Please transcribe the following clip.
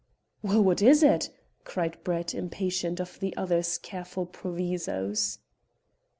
"Well, what is it?" cried Brett, impatient of the other's careful provisos.